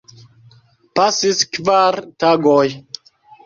Pasis kvar tagoj.